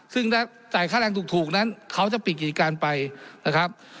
ซึ่งถ้าจ่ายค่าแรงถูกนั้นเขาจะปิดกิจการไปนะครับ